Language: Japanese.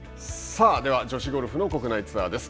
さあ、では女子ゴルフの国内ツアーです。